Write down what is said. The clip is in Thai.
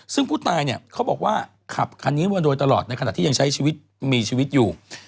ซึ่งผู้ตายเขาบอกว่าขับค่านี้มาโดยตลอดในขณะที่ยังมีชีวิตอยู่